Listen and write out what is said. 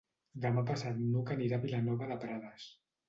Demà passat n'Hug anirà a Vilanova de Prades.